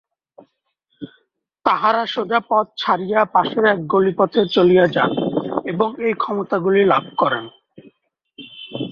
তাঁহারা সোজা পথ ছাড়িয়া পাশের এক গলিপথে চলিয়া যান এবং এই ক্ষমতাগুলি লাভ করেন।